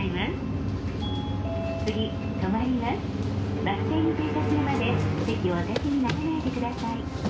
「次停まります」「バス停に停車するまで席をお立ちにならないでください」